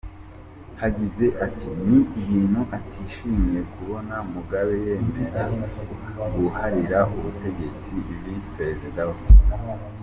Yagize ati “Ni ibintu atishimiye kubona Mugabe yemera guharira ubutegetsi visi-peresida we.